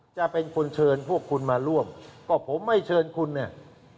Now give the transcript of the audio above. จะเป็นคนเชิญพวกคุณมาร่วมก็ผมไม่เชิญคุณเนี่ย